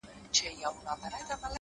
ستا جنتي زلفې او زما دوه دوزخي لاسونه;